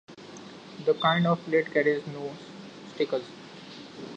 This kind of plate carries no stickers.